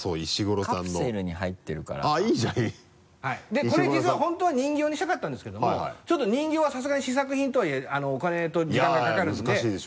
でこれ実は本当は人形にしたかったんですけどもちょっと人形はさすがに試作品とはいえお金と時間がかかるので。